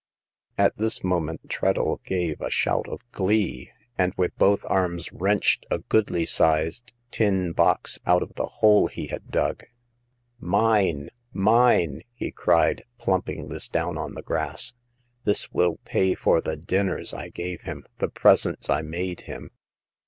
At this moment Treadle gave a shout of glee, and with both arms wrenched a goodly sized tin box out of the hole he had dug. " Mine ! mine !" he cried, plumping this down on the grass. This will pay for the dinners I gave him, the presents I made him.